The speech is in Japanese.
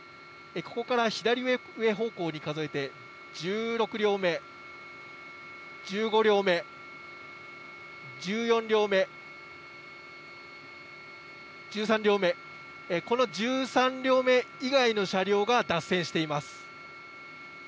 ここから左上方向に数えて１６両目、１５両目、１４両目、１３両目、この１３両目以外の車両が脱線しています。